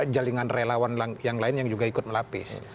jaringan relawan yang lain yang juga ikut melapis